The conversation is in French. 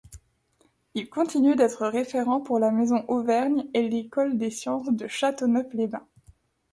Il continue d’être référent pour la Maison Auvergne et l’École des sciences de Chateauneuf-les-Bains.